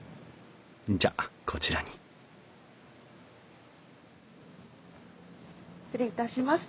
じゃこちらに失礼いたします。